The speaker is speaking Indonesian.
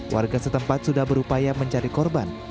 warga setempat sudah berupaya mencari korban